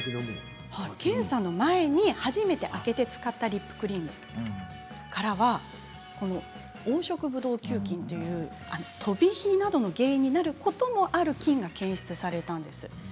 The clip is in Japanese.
検査の前に初めて開けて使ったリップクリームからは黄色ブドウ球菌というとびひなどの原因になることもある菌が検出されたんです。